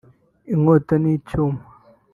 inkota n’icumu